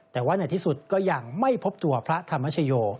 แต่ว่าในที่สุดก็ยังไม่พบตัวพระธรรมชโย